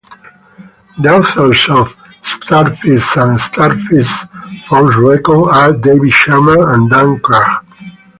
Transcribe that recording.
The authors of "StarFist" and "StarFist: Force Recon" are David Sherman and Dan Cragg.